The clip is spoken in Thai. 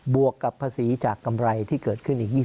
วกกับภาษีจากกำไรที่เกิดขึ้นอีก๒๐